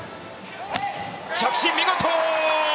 着地、見事！